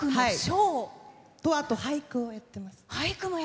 あと、俳句をやってます。